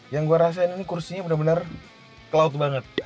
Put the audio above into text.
yang gue rasain ini kursinya benar benar cloud banget